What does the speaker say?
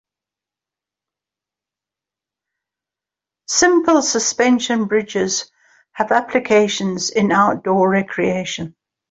Simple suspension bridges have applications in outdoor recreation.